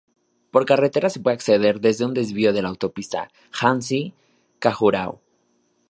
Por carretera se puede acceder desde un desvío de la autopista Jhansi-Khajuraho.